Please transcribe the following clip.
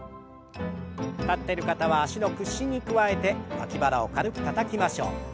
立ってる方は脚の屈伸に加えて脇腹を軽くたたきましょう。